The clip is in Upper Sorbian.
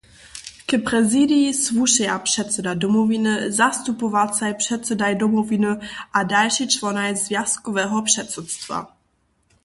K prezidiji słušeja předsyda Domowiny, zastupowacaj předsydaj Domowiny a dalšej čłonaj zwjazkoweho předsydstwa.